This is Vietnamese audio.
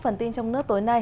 phần tin trong nước tối nay